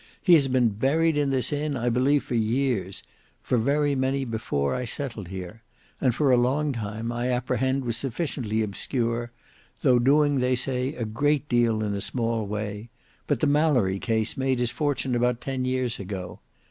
"He has been buried in this inn I believe for years; for very many before I settled here; and for a long time I apprehend was sufficiently obscure, though doing they say a great deal in a small way; but the Mallory case made his fortune about ten years ago.